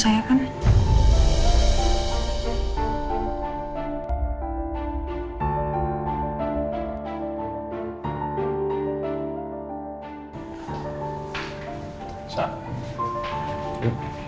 saya nanti akan meng clap bagi depaniary